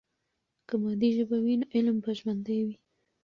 که مادي ژبه وي، نو علم به ژوندۍ وي.